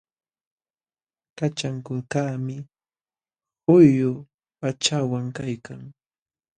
Kachakukaqmi quyu pachawan kaykan.